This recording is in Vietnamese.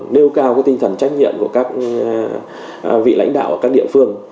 nêu cao cái tinh thần trách nhiệm của các vị lãnh đạo của các địa phương